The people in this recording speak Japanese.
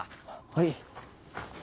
はい。